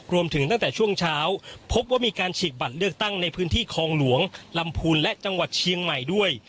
ตั้งแต่ช่วงเช้าพบว่ามีการฉีกบัตรเลือกตั้งในพื้นที่คลองหลวงลำพูนและจังหวัดเชียงใหม่ด้วย